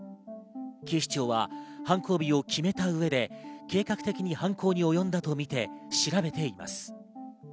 警視庁は犯行日を決めた上で計画的に犯行におよんだとみて調べています。